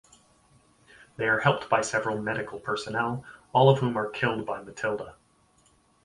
They are helped by several medical personnel, all of whom are killed by Matilda.